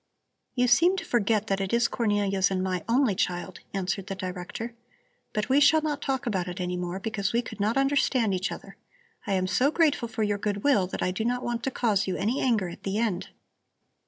"You seem to forget that it is my Cornelia's and my only child," answered the Director. "But we shall not talk about it any more, because we could not understand each other. I am so grateful for your goodwill that I do not want to cause you any anger at the end."